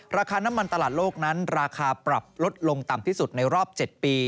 ราคาน้ำมันตลาดโลกนั้นราคาปรับลดลงต่ำที่สุดในรอบ๗ปี